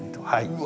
うわ。